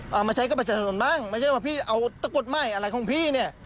เอามาใช้กับประชาชนบ้างไม่ใช่ว่าพี่เอาตะกดไหม้อะไรของพี่เนี่ย